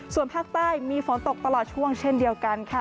ส่วนภาคใต้มีฝนตกตลอดช่วงเช่นเดียวกันค่ะ